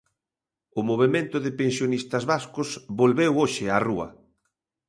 O Movemento de Pensionistas vascos volveu hoxe á rúa.